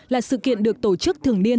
là sự kiện được tổ chức thường niên